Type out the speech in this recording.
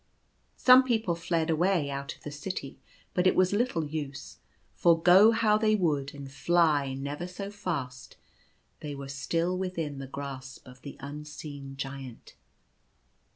Some people fled away out of the city ; but it was little use, for go how they would and fly never so fast they were still within the grasp of the unseen Giant.